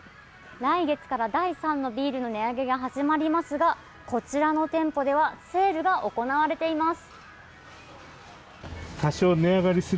来月から第３のビールの値上げが始まりますがこちらの店舗ではセールが行われています。